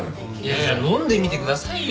いや飲んでみてくださいよ。